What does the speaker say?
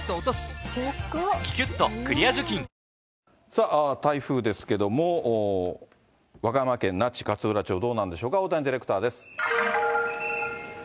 さあ、台風ですけども、和歌山県那智勝浦町、どうなんでしょうか、大谷ディレクターです。